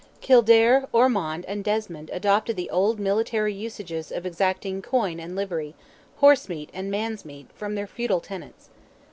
Kildare, Ormond, and Desmond, adopted the old military usages of exacting "coyne and livery"—horse meat and man's meat—from their feudal tenants.